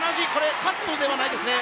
カットではないですね。